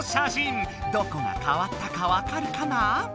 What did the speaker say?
どこがかわったかわかるかな？